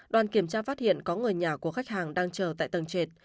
đoàn kiểm tra phát hiện có người nhà của khách hàng đang chờ tại tầng trệt